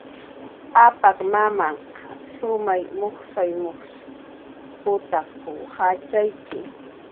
Apak mamanh shumay mujsay mujsw putak jatxayki